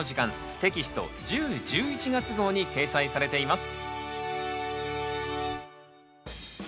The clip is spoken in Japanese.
テキスト１０・１１月号に掲載されています。